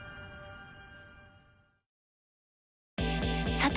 さて！